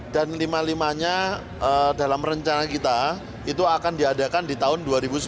dan lima lima nya dalam rencana kita itu akan diadakan di tahun dua ribu sembilan belas